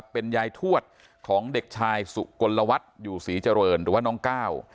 เป็นยายทวดของเด็กชายสุกลวัฒน์อยู่ศรีเจริญหรือว่าน้องก้าว